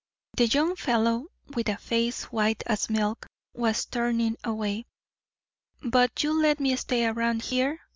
The young fellow, with a face white as milk, was turning away. "But you'll let me stay around here?"